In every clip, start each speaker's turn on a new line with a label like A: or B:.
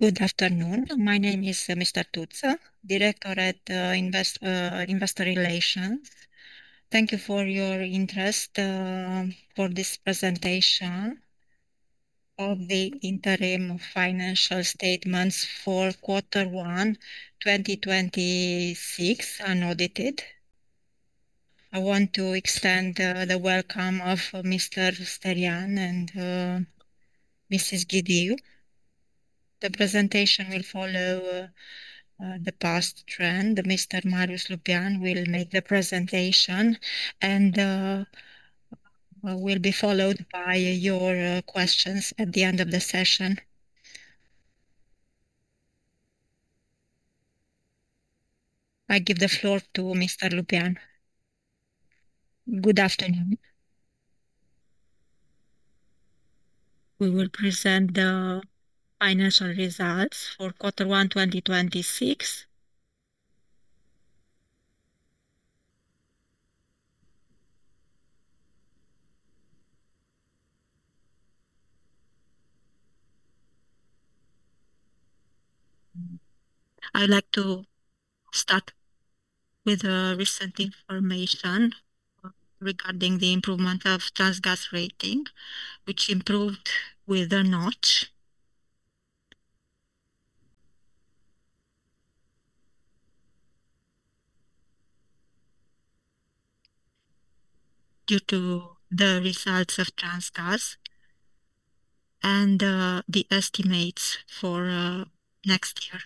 A: Good afternoon. My name is Mr. Tuță, director at investor relations. Thank you for your interest for this presentation of the interim financial statements for quarter one 2026 unaudited. I want to extend the welcome of Mr. Sterian and Mrs. Ghidiu. The presentation will follow the past trend. Mr. Marius Lupean will make the presentation, and will be followed by your questions at the end of the session. I give the floor to Mr. Lupean.
B: Good afternoon. We will present the financial results for quarter one 2026. I'd like to start with recent information regarding the improvement of Transgaz rating, which improved with a notch due to the results of Transgaz and the estimates for next year.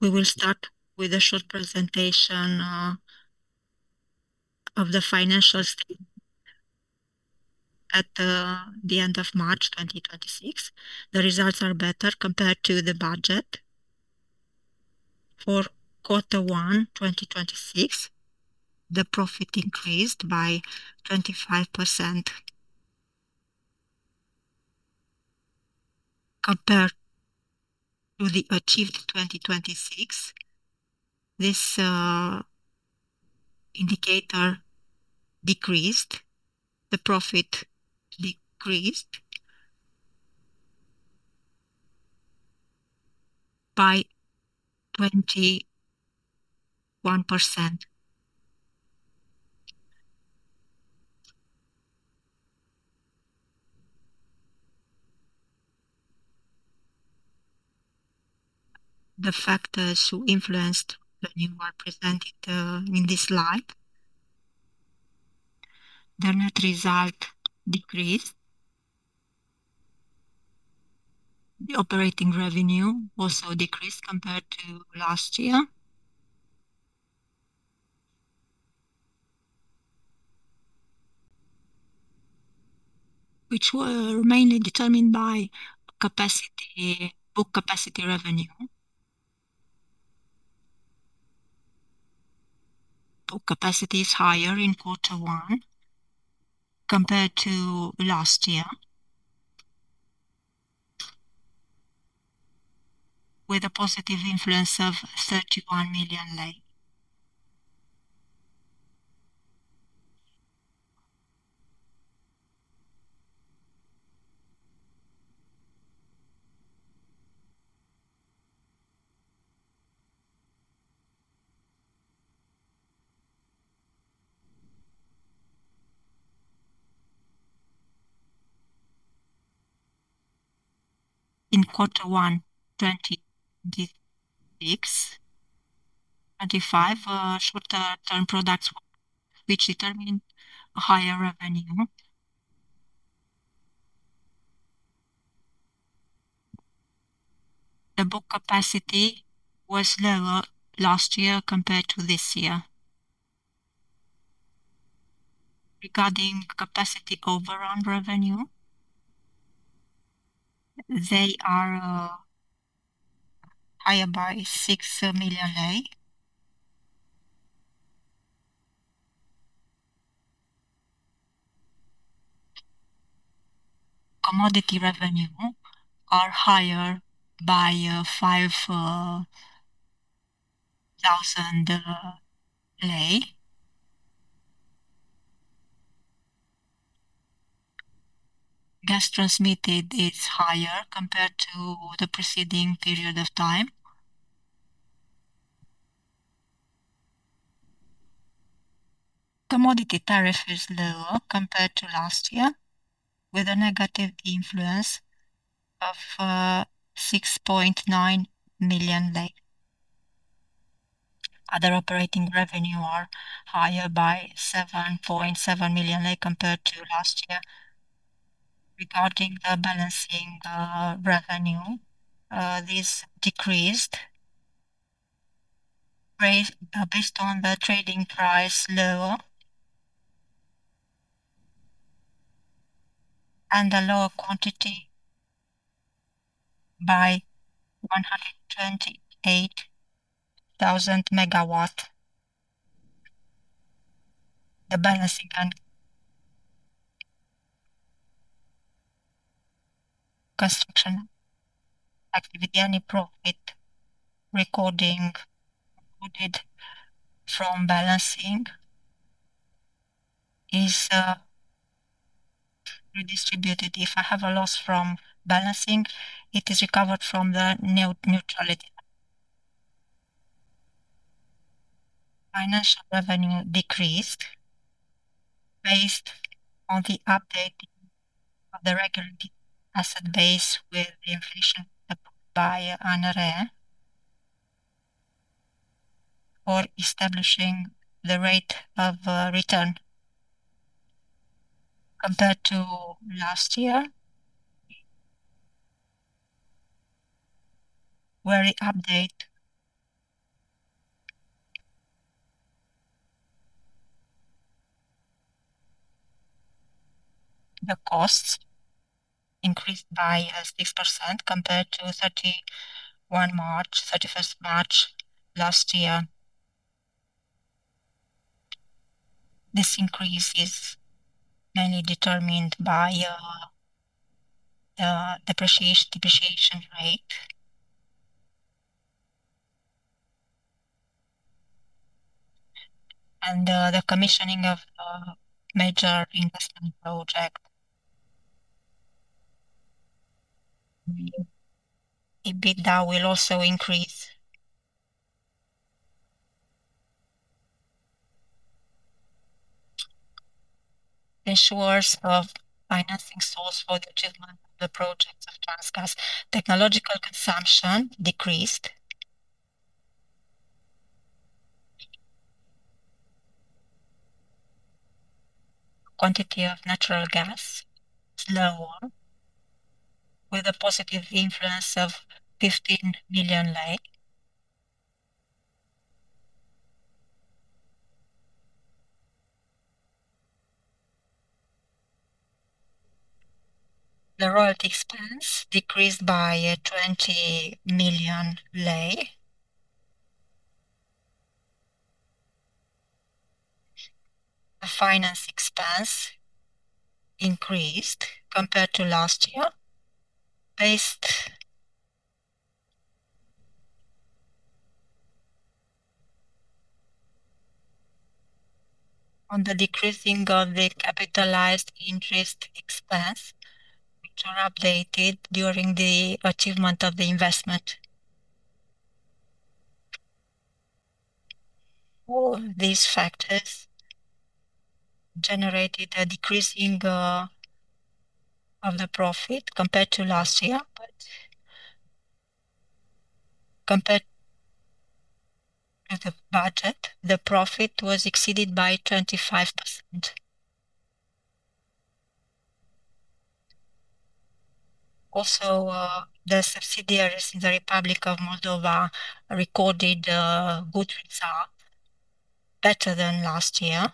B: We will start with a short presentation of the financial statement at the end of March 2026. The results are better compared to the budget. For quarter one 2026, the profit increased by 25%. Compared to the achieved 2026, this indicator decreased, the profit decreased by 21%. The factors who influenced the new are presented in this slide. The net result decreased. The operating revenue also decreased compared to last year, which were mainly determined by booked capacity revenue. Booked capacity is higher in quarter one compared to last year, with a positive influence of RON 31 million. In quarter one 2026, 25 shorter term products, which determined a higher revenue. The booked capacity was lower last year compared to this year. Regarding capacity overrun revenue, they are higher by RON 6 million. Commodity revenue are higher by RON 5,000. Gas transmitted is higher compared to the preceding period of time. Commodity tariff is lower compared to last year, with a negative influence of RON 6.9 million. Other operating revenue are higher by RON 7.7 million compared to last year. Regarding the balancing revenue, this decreased based on the trading price lower, and a lower quantity by 128,000 MWh. The balancing and construction activity, any profit recording included from balancing is redistributed. If I have a loss from balancing, it is recovered from the neutrality. Financial revenue decreased based on the update of the regulated asset base with the inflation approved by ANRE, or establishing the rate of return compared to last year, where we update. The costs increased by 6% compared to 31st March last year. This increase is mainly determined by depreciation rate, and the commissioning of major investment project. EBITDA will also increase. Insurers of financing source for the achievement of the projects of Transgaz. Technological consumption decreased. Quantity of natural gas is lower, with a positive influence of RON 15 million. The royalty expense decreased by RON 20 million. The finance expense increased compared to last year, based on the decreasing of the capitalized interest expense, which are updated during the achievement of the investment. All these factors generated a decrease of the profit compared to last year. Compared with the budget, the profit was exceeded by 25%. The subsidiaries in the Republic of Moldova recorded a good result, better than last year.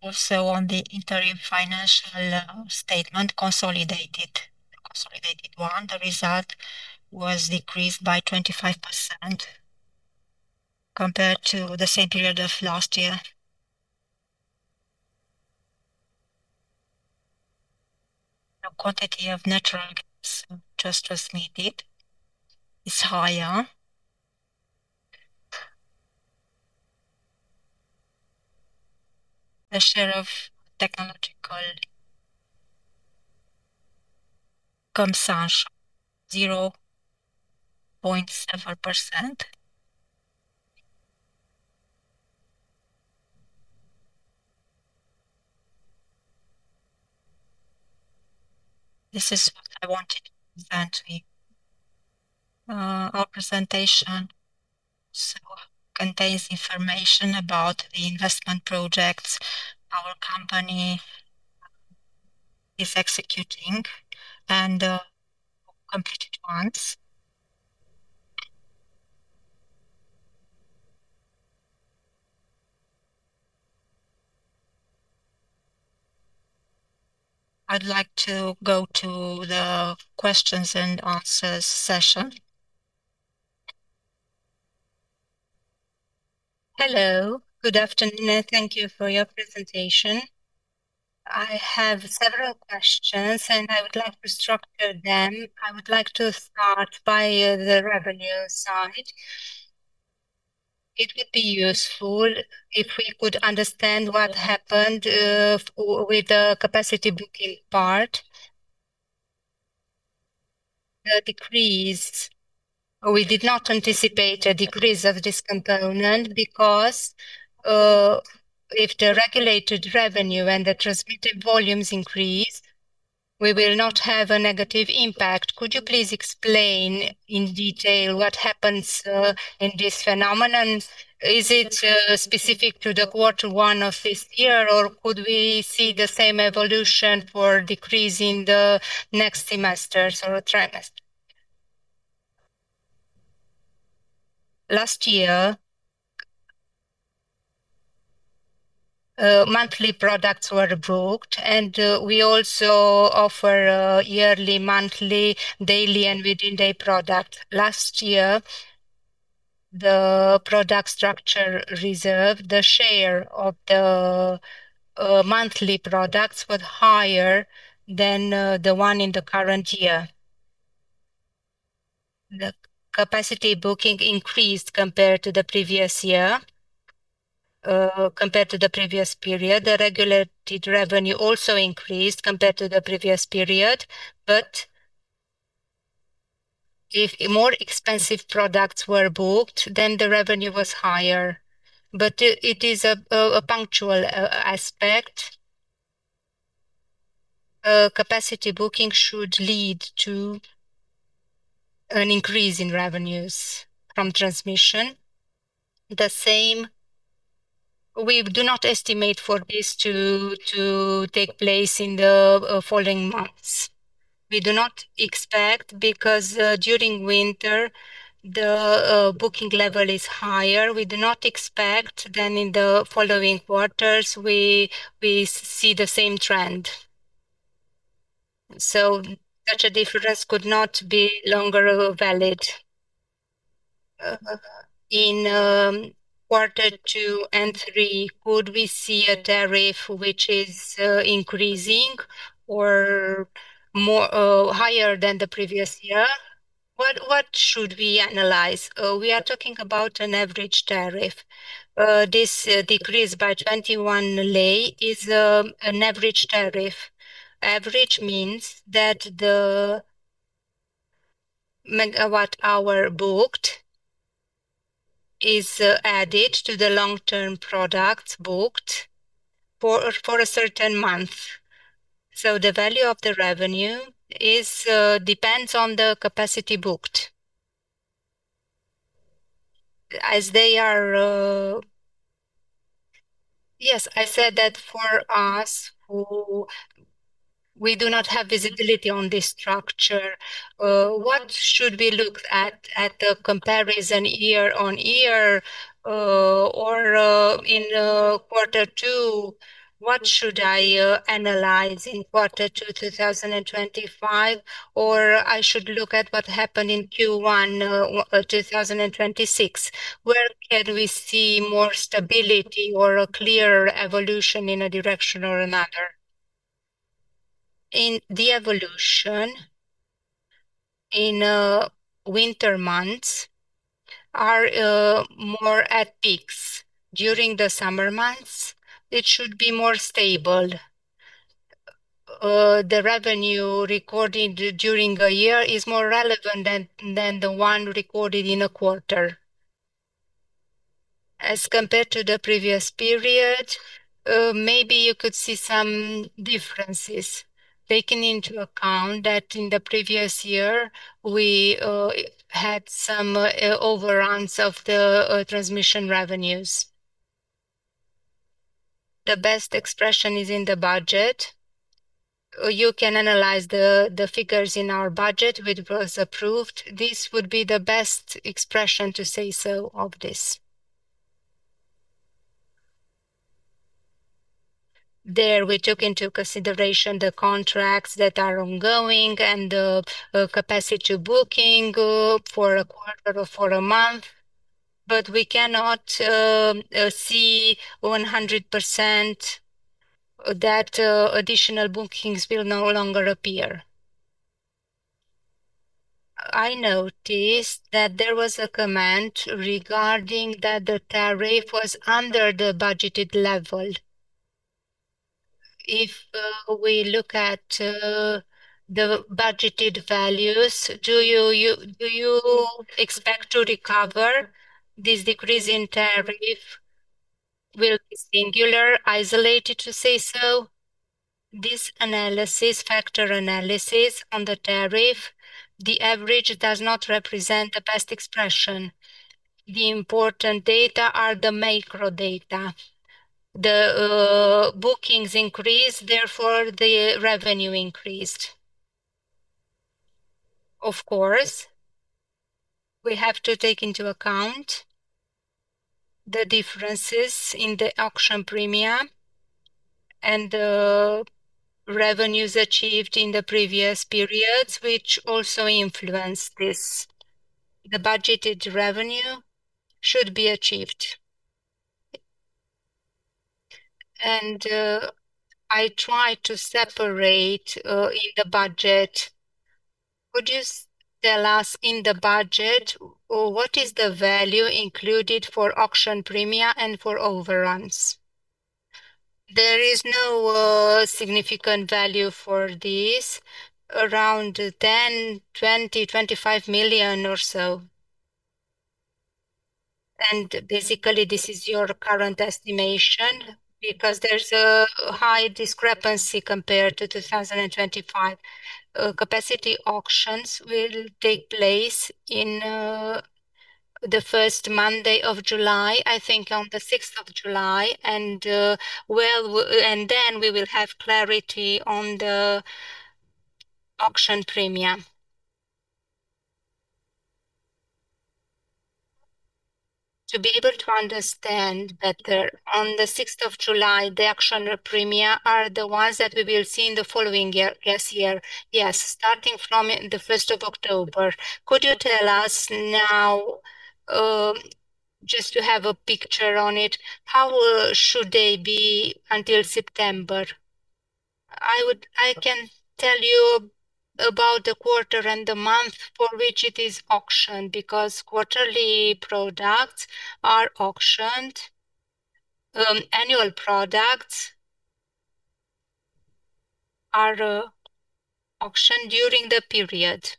B: On the interim financial statement, consolidated one, the result was decreased by 25% compared to the same period of last year. The quantity of natural gas just transmitted is higher. The share of technological consumption, 0.7%. This is what I wanted to present. Our presentation contains information about the investment projects our company is executing and completed ones. I'd like to go to the questions and answers session.
C: Hello. Good afternoon. Thank you for your presentation. I have several questions. I would like to structure them. I would like to start by the revenue side. It would be useful if we could understand what happened with the capacity booking part, the decrease. We did not anticipate a decrease of this component because if the regulated revenue and the transmitted volumes increase, we will not have a negative impact. Could you please explain in detail what happens in this phenomenon? Is it specific to the quarter one of this year, or could we see the same evolution for decrease in the next semesters or trimester?
B: Last year, monthly products were booked, and we also offer yearly, monthly, daily, and within-day product. Last year, the product structure reserve, the share of the monthly products was higher than the one in the current year. The capacity booking increased compared to the previous year. Compared to the previous period, the regulated revenue also increased compared to the previous period. If more expensive products were booked, then the revenue was higher. It is a punctual aspect. Capacity booking should lead to an increase in revenues from transmission. The same, we do not estimate for this to take place in the following months. We do not expect, because during winter, the booking level is higher. We do not expect in the following quarters, we see the same trend.
C: Such a difference could not be longer valid. In quarter two and three, could we see a tariff which is increasing or higher than the previous year? What should we analyze?
B: We are talking about an average tariff. This decrease by RON 21 is an average tariff. Average means that the MWh booked is added to the long-term products booked for a certain month. The value of the revenue depends on the capacity booked.
C: I said that for us who we do not have visibility on this structure, what should we look at the comparison year-on-year or in quarter two? What should I analyze in quarter two 2025? I should look at what happened in Q1 2026? Where can we see more stability or a clear evolution in a direction or another?
B: In the evolution in winter months are more at peaks. During the summer months, it should be more stable. The revenue recorded during a year is more relevant than the one recorded in a quarter. As compared to the previous period, maybe you could see some differences, taking into account that in the previous year, we had some overruns of the transmission revenues. The best expression is in the budget. You can analyze the figures in our budget, which was approved. This would be the best expression to say so of this. There, we took into consideration the contracts that are ongoing and the capacity booking for a quarter or for a month, but we cannot see 100% that additional bookings will no longer appear.
C: I noticed that there was a comment regarding that the tariff was under the budgeted level. If we look at the budgeted values, do you expect to recover this decrease in tariff will be singular, isolated, to say so?
B: This analysis, factor analysis on the tariff, the average does not represent the best expression. The important data are the macro data. The bookings increased, therefore, the revenue increased. Of course, we have to take into account the differences in the auction premia and the revenues achieved in the previous periods, which also influence this. The budgeted revenue should be achieved. I try to separate in the budget.
C: Could you tell us in the budget, what is the value included for auction premia and for overruns? There is no significant value for this. Around RON 10 million, RON 20 million, RON 25 million or so. Basically, this is your current estimation because there's a high discrepancy compared to 2025. Capacity auctions will take place in the first Monday of July, I think on the 6th of July, then we will have clarity on the auction premia. To be able to understand better, on the 6th of July, the auction premia are the ones that we will see in the following year.
B: Yes.
C: Starting from the 1st of October. Could you tell us now, just to have a picture on it, how should they be until September?
B: I can tell you about the quarter and the month for which it is auctioned, because quarterly products are auctioned. Annual products are auctioned during the period.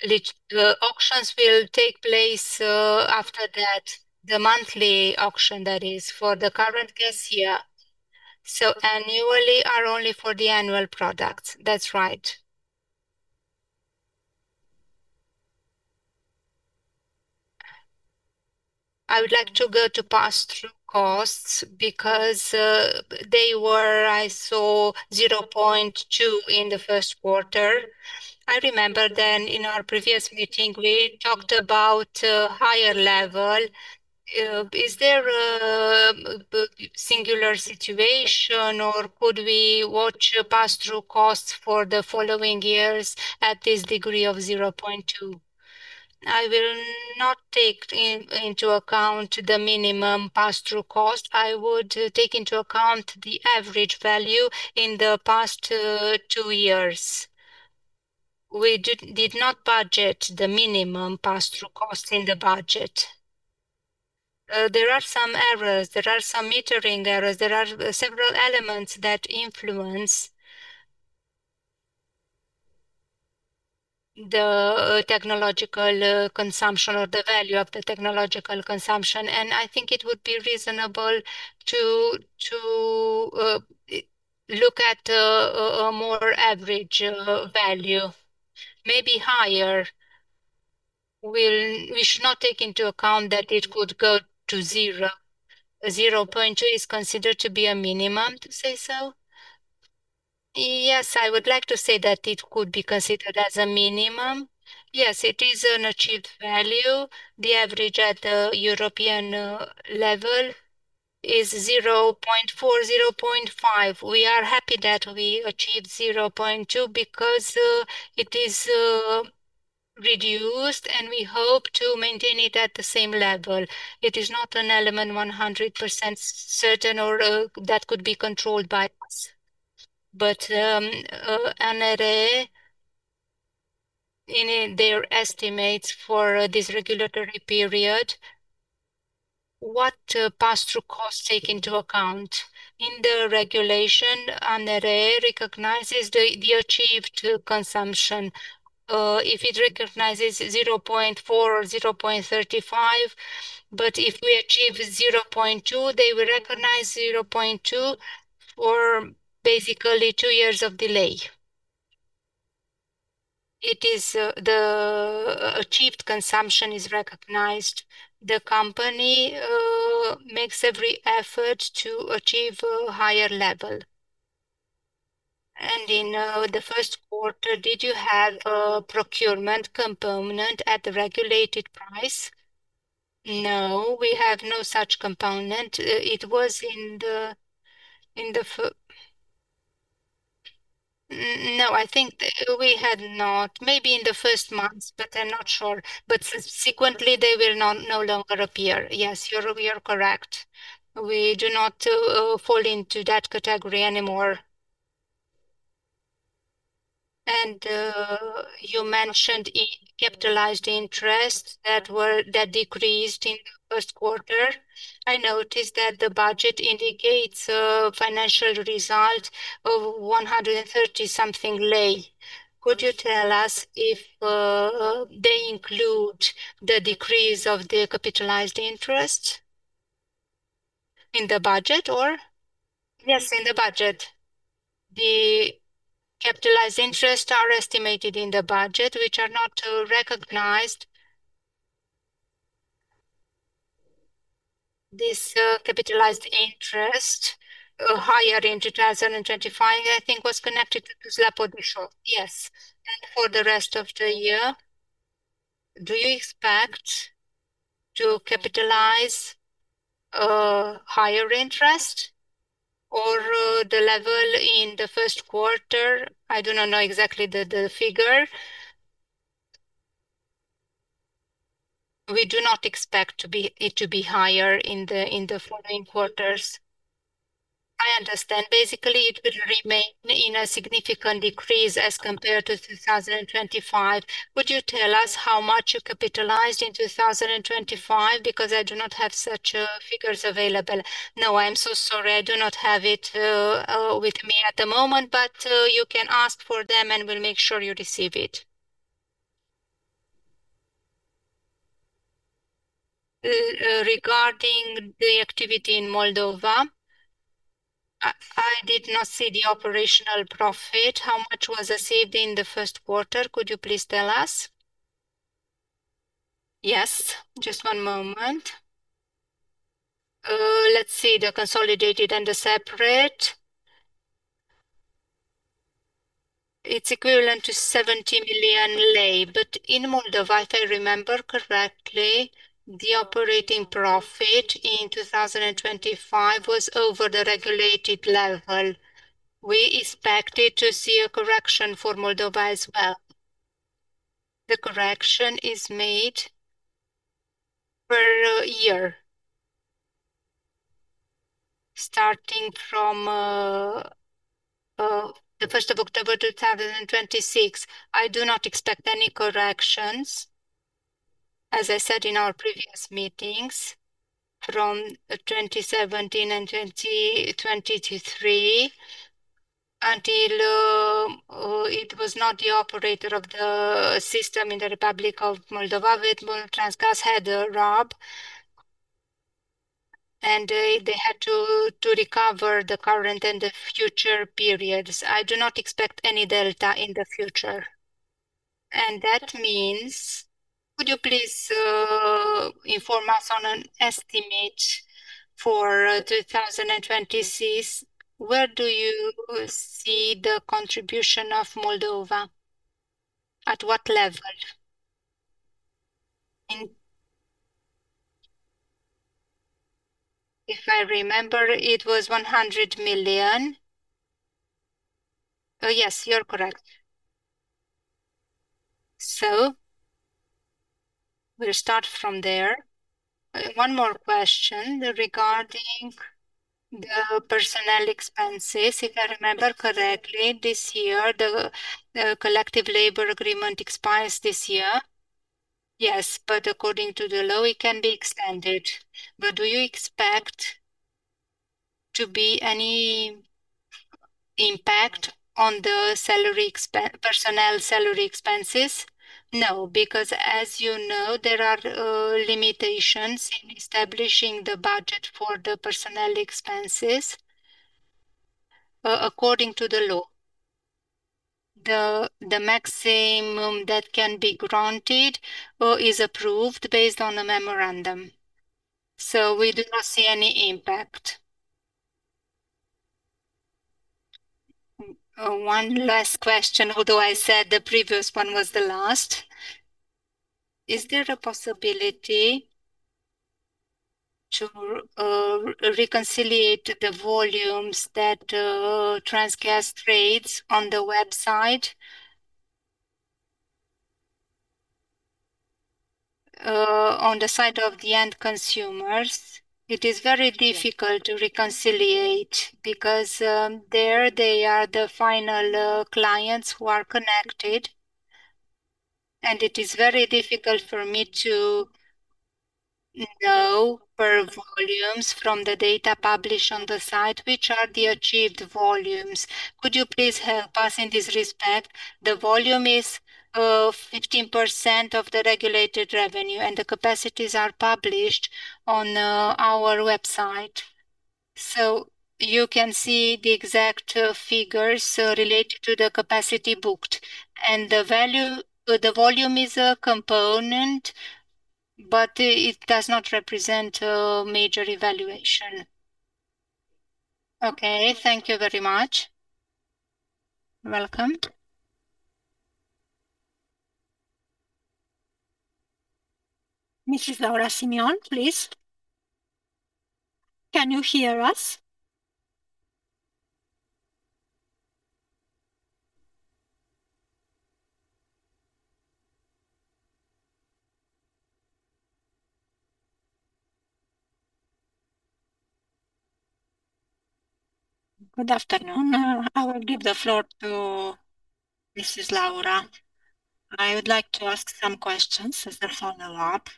B: The auctions will take place after that, the monthly auction that is for the current gas year. Annually are only for the annual products.
C: That's right. I would like to go to pass-through costs because they were, I saw 0.2 in the first quarter. I remember then in our previous meeting, we talked about higher level. Is there a singular situation or could we watch pass-through costs for the following years at this degree of 0.2?
B: I will not take into account the minimum pass-through cost. I would take into account the average value in the past two years. We did not budget the minimum pass-through cost in the budget. There are some errors. There are some metering errors. There are several elements that influence the technological consumption or the value of the technological consumption, and I think it would be reasonable to look at a more average value, maybe higher. We should not take into account that it could go to zero.
C: 0.2 is considered to be a minimum, to say so.
B: Yes, I would like to say that it could be considered as a minimum. Yes, it is an achieved value. The average at the European level is 0.4, 0.5. We are happy that we achieved 0.2 because it is reduced, and we hope to maintain it at the same level. It is not an element 100% certain or that could be controlled by us.
C: ANRE, in their estimates for this regulatory period, what pass-through costs take into account?
B: In the regulation, ANRE recognizes the achieved consumption. If it recognizes 0.4 or 0.35, but if we achieve 0.2, they will recognize 0.2 for basically two years of delay. It is the achieved consumption is recognized. The company makes every effort to achieve a higher level.
C: In the first quarter, did you have a procurement component at the regulated price?
B: No, we have no such component. No, I think we had not. Maybe in the first months, but I'm not sure. Subsequently, they will no longer appear. Yes, you are correct. We do not fall into that category anymore.
C: You mentioned capitalized interest that decreased in first quarter. I noticed that the budget indicates a financial result of 130-something RON. Could you tell us if they include the decrease of the capitalized interest?
B: In the budget or?
C: Yes, in the budget.
B: The capitalized interest are estimated in the budget, which are not recognized. This capitalized interest, higher in 2025, I think was connected to Podișor. Yes.
C: For the rest of the year, do you expect to capitalize a higher interest or the level in the first quarter?
B: I do not know exactly the figure. We do not expect it to be higher in the following quarters.
C: I understand. Basically, it will remain in a significant decrease as compared to 2025. Would you tell us how much you capitalized in 2025, because I do not have such figures available.
B: I'm so sorry. I do not have it with me at the moment, but you can ask for them and we'll make sure you receive it.
C: Regarding the activity in Moldova, I did not see the operational profit. How much was received in the first quarter, could you please tell us?
B: Just one moment. Let's see the consolidated and the separate. It's equivalent to RON 70 million. In Moldova, if I remember correctly, the operating profit in 2025 was over the regulated level. We expected to see a correction for Moldova as well. The correction is made per year. Starting from the 1st of October 2026, I do not expect any corrections. As I said in our previous meetings, from 2017 and 2023, until it was not the operator of the system in the Republic of Moldova, Transgaz had a RAB, and they had to recover the current and the future periods. I do not expect any delta in the future.
C: That means could you please inform us on an estimate for 2026, where do you see the contribution of Moldova? At what level?
B: If I remember, it was RON 100 million.
C: Oh, yes, you're correct. We'll start from there. One more question regarding the personnel expenses. If I remember correctly, the collective labor agreement expires this year.
B: Yes, according to the law, it can be extended.
C: Do you expect to be any impact on the personnel salary expenses?
B: No, because as you know, there are limitations in establishing the budget for the personnel expenses, according to the law. The maximum that can be granted is approved based on the memorandum. We do not see any impact.
C: One last question, although I said the previous one was the last. Is there a possibility to reconciliate the volumes that Transgaz trades on the website? On the side of the end consumers, it is very difficult to reconcile because there they are the final clients who are connected, and it is very difficult for me to know per volumes from the data published on the site, which are the achieved volumes. Could you please help us in this respect?
B: The volume is 15% of the regulated revenue, and the capacities are published on our website. You can see the exact figures related to the capacity booked. The volume is a component, but it does not represent a major evaluation.
C: Okay. Thank you very much.
B: You're welcome.
A: Mrs. Laura Simion, please. Can you hear us? Good afternoon. I will give the floor to Mrs. Laura.
D: I would like to ask some questions as the follow-up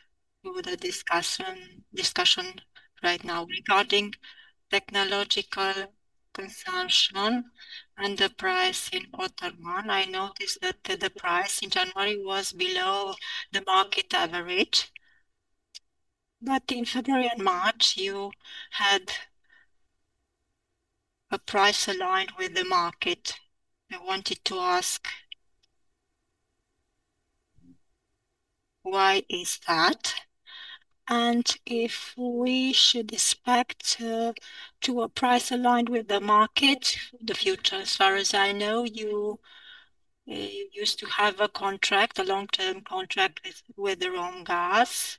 D: to the discussion right now regarding technological consumption and the price in quarter one. I noticed that the price in January was below the market average. In February and March, you had a price aligned with the market. I wanted to ask, why is that, and if we should expect to a price aligned with the market the future? As far as I know, you used to have a long-term contract with Romgaz.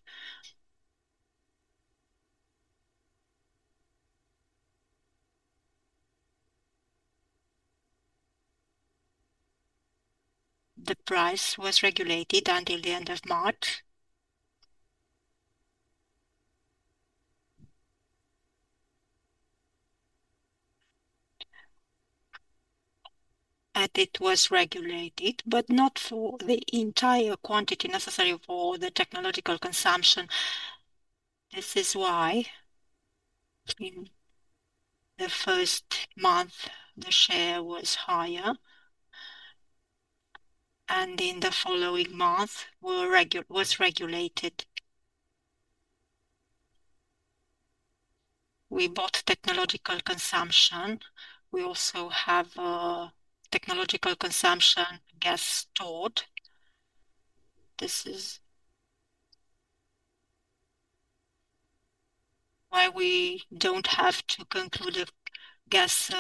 D: The price was regulated until the end of March.
B: It was regulated, but not for the entire quantity necessary for the technological consumption. This is why, in the first month, the share was higher, and in the following month, was regulated. We bought technological consumption. We also have technological consumption gas stored. This is why we don't have to conclude a gas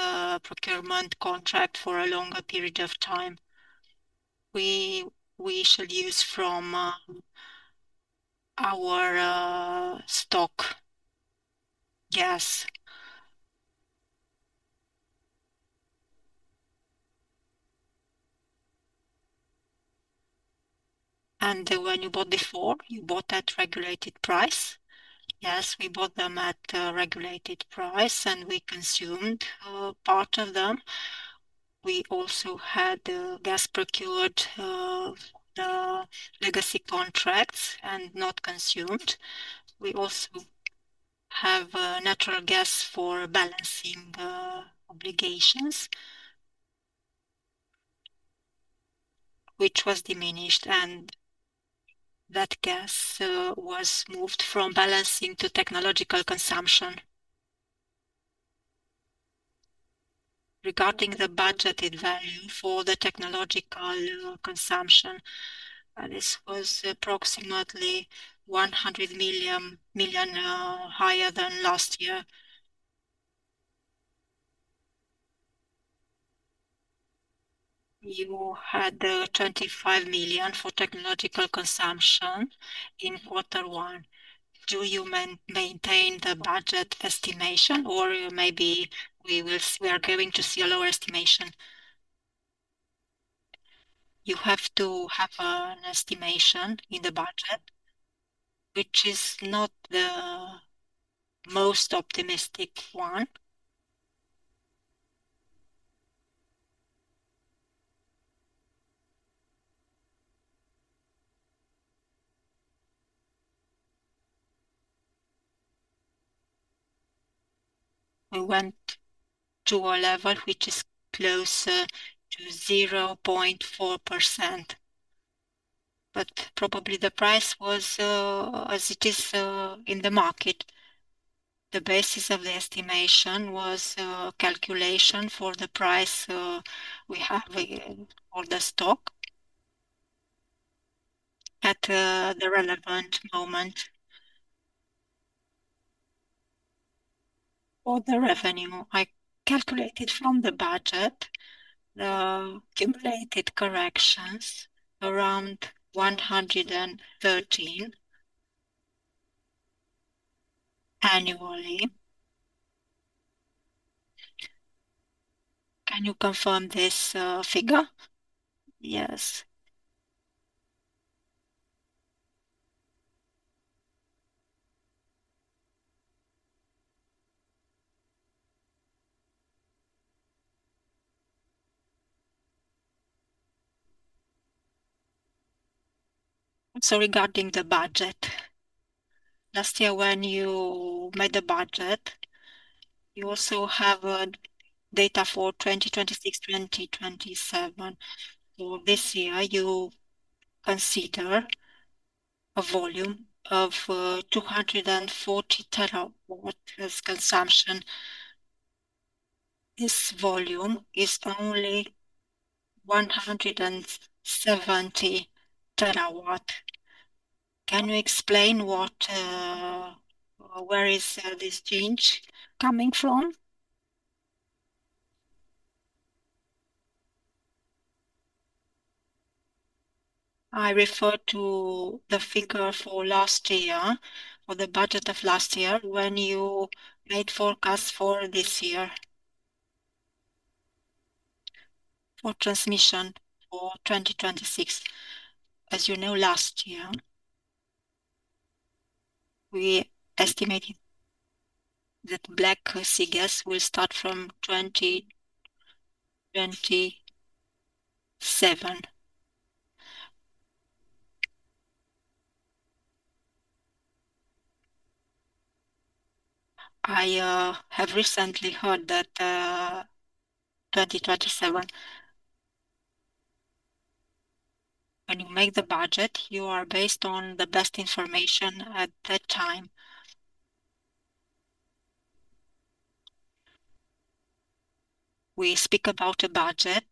B: procurement contract for a longer period of time. We should use from our stock gas
D: When you bought before, you bought at regulated price?
B: Yes, we bought them at regulated price, we consumed part of them. We also had gas procured legacy contracts and not consumed. We also have natural gas for balancing obligations, which was diminished, and that gas was moved from balancing to technological consumption.
D: Regarding the budgeted value for the technological consumption, this was approximately RON 100 million higher than last year. You had RON 25 million for technological consumption in quarter one. Do you maintain the budget estimation, or maybe we are going to see a lower estimation?
B: You have to have an estimation in the budget. Which is not the most optimistic one. We went to a level which is closer to 0.4%, probably the price was as it is in the market. The basis of the estimation was a calculation for the price we have for the stock at the relevant moment.
D: For the revenue, I calculated from the budget the accumulated corrections around RON 113 annually. Can you confirm this figure?
B: Yes.
D: Regarding the budget, last year when you made the budget, you also have data for 2026, 2027. For this year, you consider a volume of 240 TWh consumption. This volume is only 170 TWh. Can you explain where is this change coming from?
B: I refer to the figure for last year, for the budget of last year, when you made forecast for this year. For transmission for 2026, as you know, last year, we estimated that Black Sea gas will start from 2027. I have recently heard that 2027. When you make the budget, you are based on the best information at that time.
D: We speak about a budget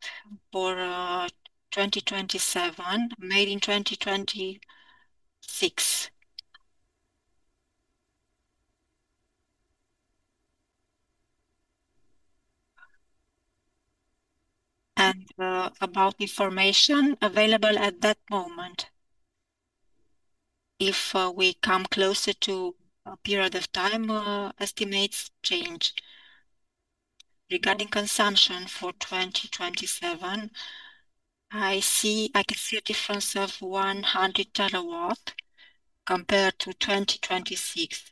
D: for 2027 made in 2026. About information available at that moment. If we come closer to a period of time, estimates change. Regarding consumption for 2027, I can see a difference of 100 TW compared to 2026.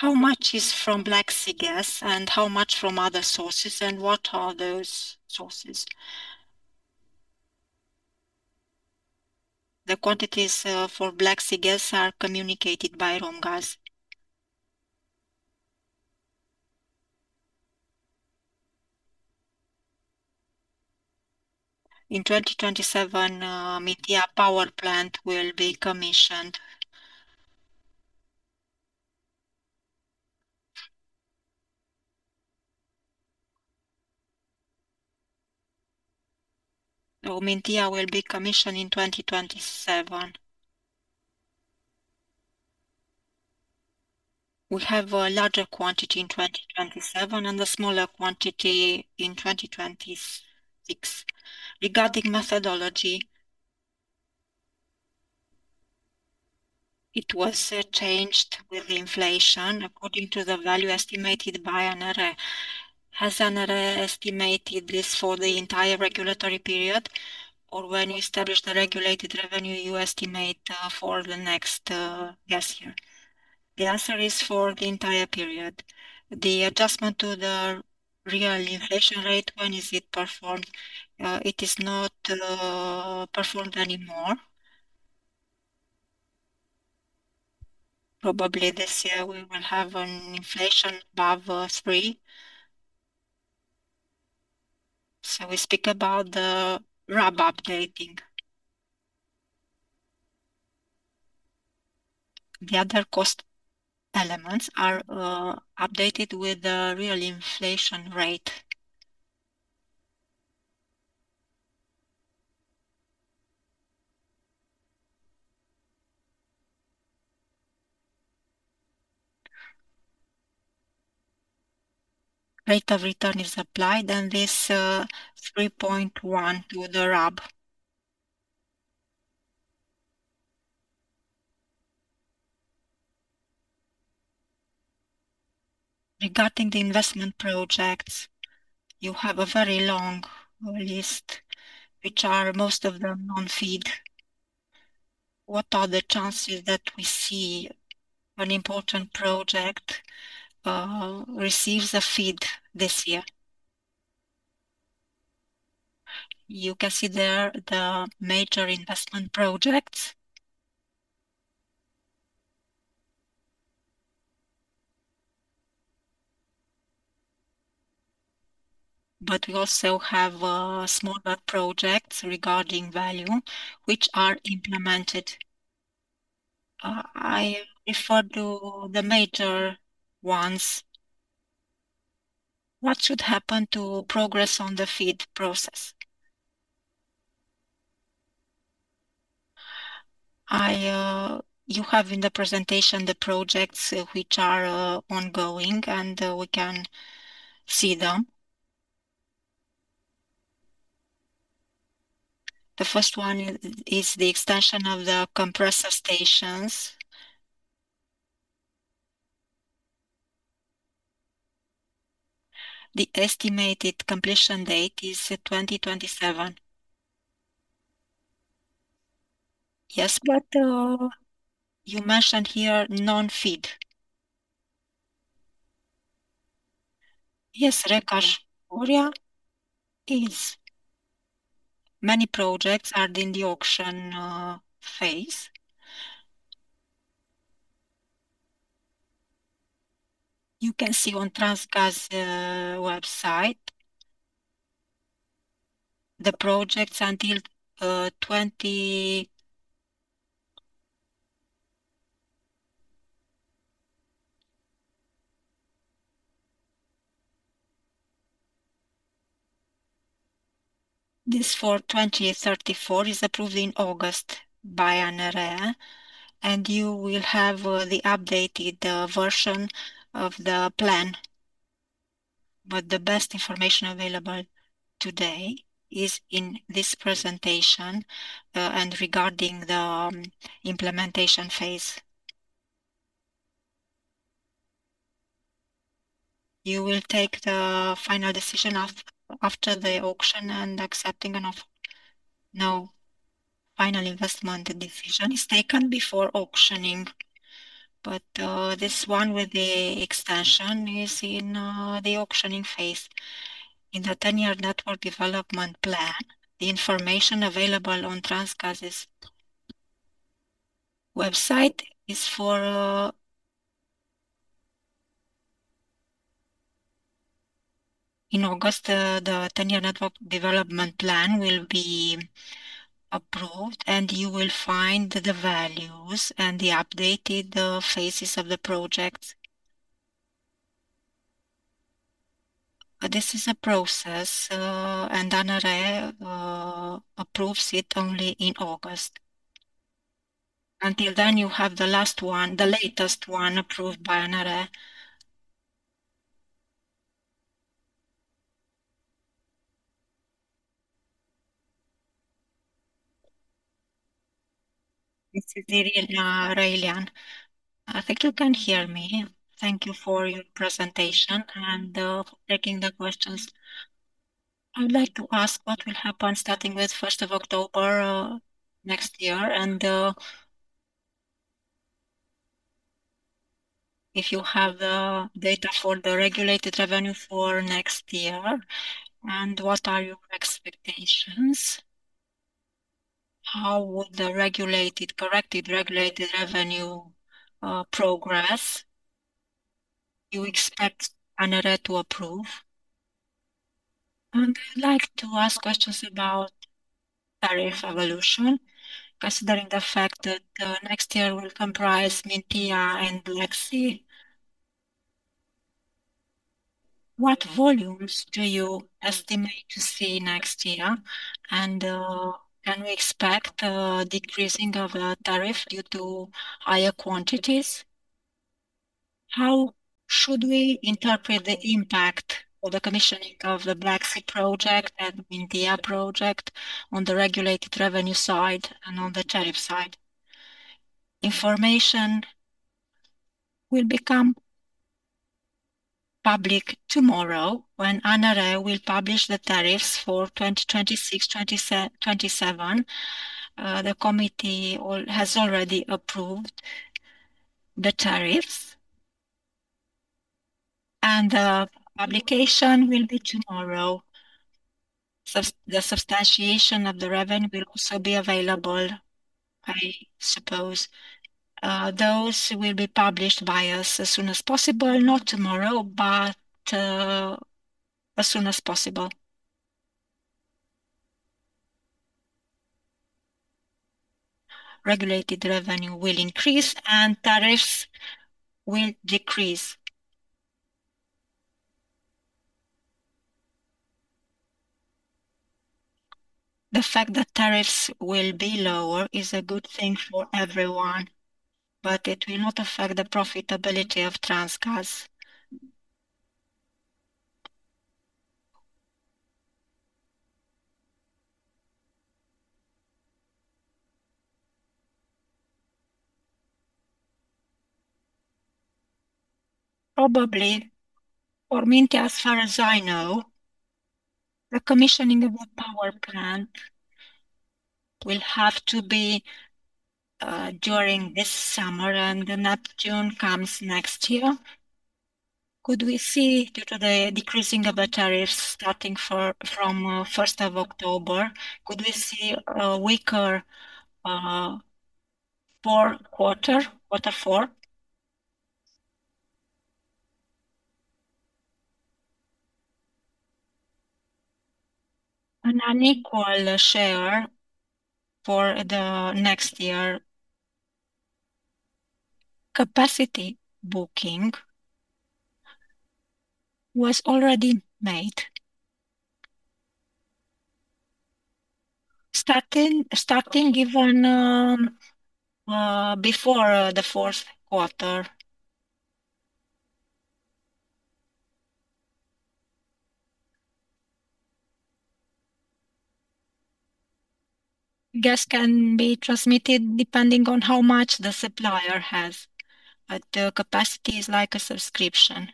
D: How much is from Black Sea gas and how much from other sources, and what are those sources?
B: The quantities for Black Sea gas are communicated by Romgaz. In 2027, Mintia Power Plant will be commissioned. Mintia will be commissioned in 2027. We have a larger quantity in 2027 and a smaller quantity in 2026. Regarding methodology. It was changed with the inflation according to the value estimated by ANRE.
D: Has ANRE estimated this for the entire regulatory period, or when you establish the regulated revenue, you estimate for the next gas year?
B: The answer is for the entire period. The adjustment to the real inflation rate, when is it performed? It is not performed anymore. Probably this year, we will have an inflation above three. We speak about the RAB updating. The other cost elements are updated with the real inflation rate. Rate of return is applied, and this 3.1 to the RAB.
D: Regarding the investment projects, you have a very long list, which are most of them non-FID. What are the chances that we see an important project receives a FID this year?
B: You can see there the major investment projects. We also have smaller projects regarding value, which are implemented. I refer to the major ones.
D: What should happen to progress on the FID process?
B: You have in the presentation the projects which are ongoing, and we can see them. The first one is the extension of the compressor stations. The estimated completion date is 2027.
D: You mentioned here non-FID.
B: Recaș-Horia is. Many projects are in the auction phase. You can see on Transgaz's website the projects until 2034. This for 2034 is approved in August by ANRE. You will have the updated version of the plan. The best information available today is in this presentation, regarding the implementation phase.
D: You will take the final decision after the auction and accepting an offer.
B: No. Final Investment Decision is taken before auctioning. This one with the extension is in the auctioning phase in the Ten-Year Network Development Plan. The information available on Transgaz's website. In August, the Ten-Year Network Development Plan will be approved. You will find the values and the updated phases of the project. This is a process. ANRE approves it only in August. Until then, you have the last one, the latest one approved by ANRE.
E: This is Irina Railean. I think you can hear me. Thank you for your presentation and for taking the questions. I would like to ask what will happen starting with 1st of October next year, if you have the data for the regulated revenue for next year, what are your expectations? How would the corrected regulated revenue progress you expect ANRE to approve? I'd like to ask questions about tariff evolution, considering the fact that next year will comprise Mintia and Black Sea. What volumes do you estimate to see next year? Can we expect decreasing of tariff due to higher quantities? How should we interpret the impact of the commissioning of the Black Sea project and the Mintia project on the regulated revenue side and on the tariff side?
B: Information will become public tomorrow when ANRE will publish the tariffs for 2026, 2027. The committee has already approved the tariffs, and the publication will be tomorrow. The substantiation of the revenue will also be available, I suppose. Those will be published by us as soon as possible. Not tomorrow, but as soon as possible. Regulated revenue will increase, and tariffs will decrease. The fact that tariffs will be lower is a good thing for everyone, but it will not affect the profitability of Transgaz. Probably, or Mintia, as far as I know, the commissioning of the power plant will have to be during this summer, and the Neptun comes next year.
E: Could we see, due to the decreasing of the tariffs starting from 1st of October, could we see a weaker quarter four?
B: An unequal share for the next year capacity booking was already made, starting even before the fourth quarter. Gas can be transmitted depending on how much the supplier has, but the capacity is like a subscription.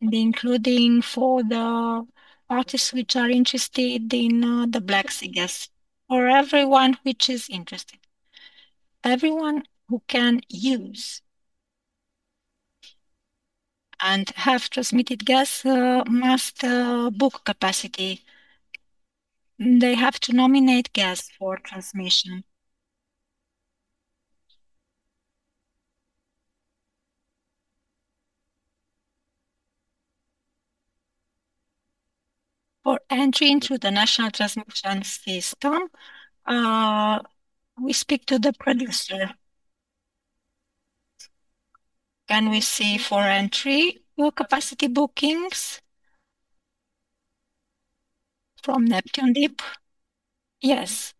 B: Including for the parties which are interested in the Black Sea gas. For everyone which is interested. Everyone who can use and have transmitted gas must book capacity. They have to nominate gas for transmission. For entry into the national transmission system, we speak to the producer.
E: Can we see, for entry, your capacity bookings from Neptun Deep?
B: Yes.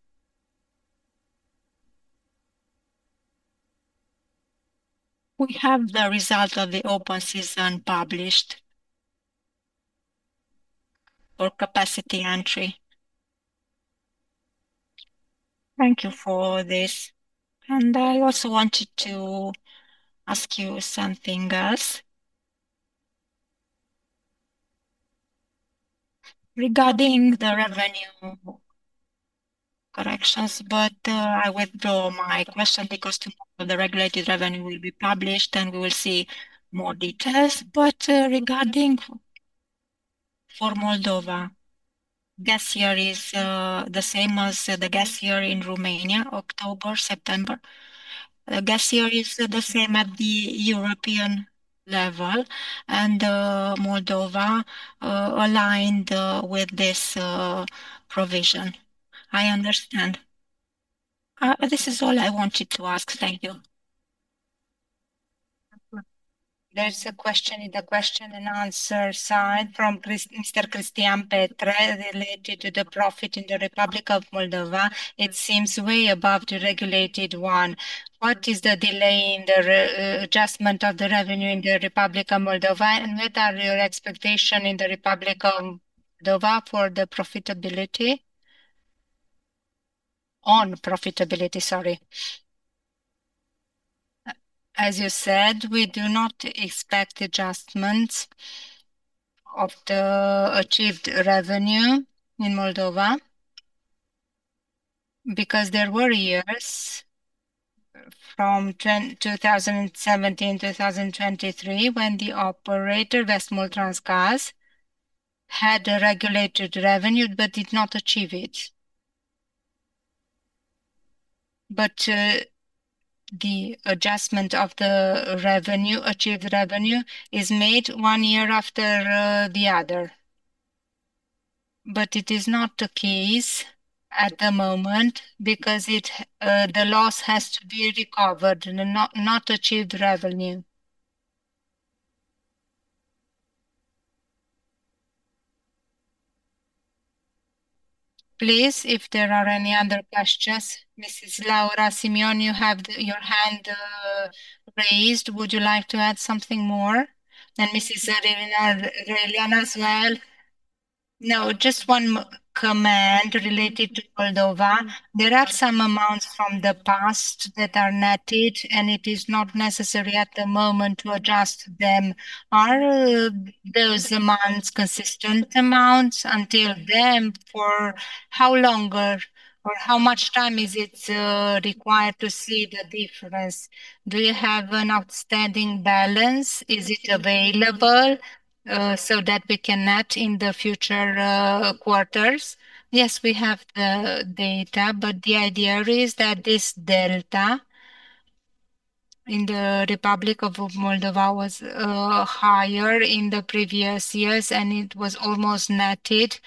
B: We have the result of the open season published for capacity entry.
E: Thank you for this. I also wanted to ask you something else regarding the revenue corrections, but I withdraw my question because tomorrow the regulated revenue will be published, and we will see more details.
B: Regarding for Moldova, gas year is the same as the gas year in Romania, October, September. Gas year is the same at the European level. Moldova aligned with this provision.
E: I understand. This is all I wanted to ask. Thank you.
A: There's a question in the question and answer side from Mr. Cristian Petre related to the profit in the Republic of Moldova. It seems way above the regulated one. What is the delay in the adjustment of the revenue in the Republic of Moldova? What are your expectation in the Republic of Moldova for the profitability? On profitability, sorry.
B: As you said, we do not expect adjustments of the achieved revenue in Moldova because there were years from 2017, 2023, when the operator, Vestmoldtransgaz, had a regulated revenue but did not achieve it. The adjustment of the achieved revenue is made one year after the other. It is not the case at the moment because the loss has to be recovered, not achieved revenue. Please, if there are any other questions. Mrs. Laura Simion, you have your hand raised. Would you like to add something more? Mrs. Irina Railean as well.
D: No, just one comment related to Moldova. There are some amounts from the past that are netted, and it is not necessary at the moment to adjust them. Are those amounts consistent amounts until then, for how long or how much time is it required to see the difference? Do you have an outstanding balance? Is it available so that we can net in the future quarters?
B: Yes, we have the data, but the idea is that this delta in the Republic of Moldova was higher in the previous years, and it was almost netted,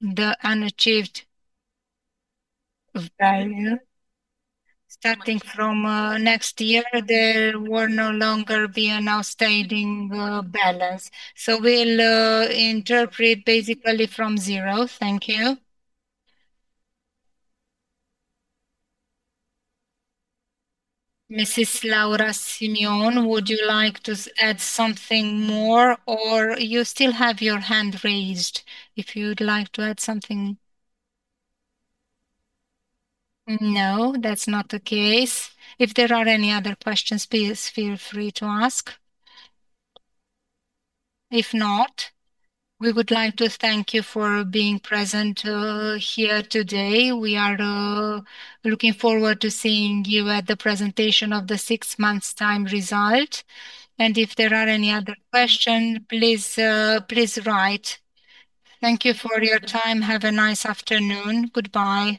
B: the unachieved value. Starting from next year, there will no longer be an outstanding balance. We'll interpret basically from zero. Thank you. Mrs. Laura Simion, would you like to add something more, or you still have your hand raised if you'd like to add something?
D: No, that's not the case.
B: If there are any other questions, please feel free to ask. If not, we would like to thank you for being present here today. We are looking forward to seeing you at the presentation of the six months' time result. If there are any other question, please write. Thank you for your time. Have a nice afternoon. Goodbye